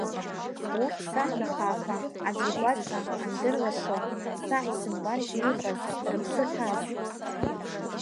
Урҭ сашәа хаақәа аӡә игәаҵа андырлашо, са исымбаргьы, иҟаз, рыԥсы ҭаз…